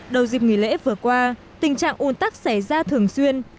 đầu dịp nghỉ lễ vừa qua tình trạng ồn tắc xảy ra thường xuyên